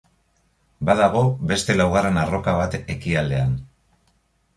Badago beste laugarren arroka bat ekialdean.